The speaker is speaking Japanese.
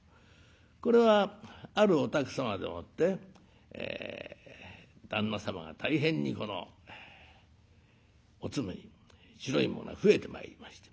これはあるお宅様でもって旦那様が大変にこのおつむに白いものが増えてまいりました。